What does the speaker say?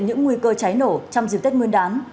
những nguy cơ cháy nổ trong dịp tết nguyên đán